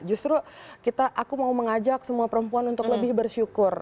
justru aku mau mengajak semua perempuan untuk lebih bersyukur